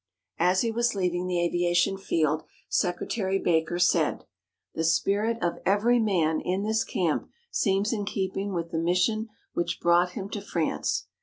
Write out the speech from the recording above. '" As he was leaving the aviation field Secretary Baker said: "The spirit of every man in this camp seems in keeping with the mission which brought him to France.